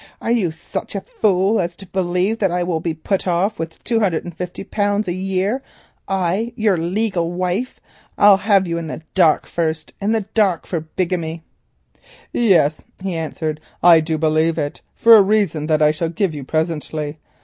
"Are you such a fool as to believe that I will be put off with two hundred and fifty pounds a year, I, your legal wife? I'll have you in the dock first, in the dock for bigamy." "Yes," he answered, "I do believe it for a reason that I shall give you presently.